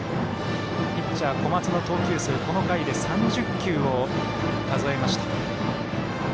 ピッチャー、小松の投球数この回で３０球を数えました。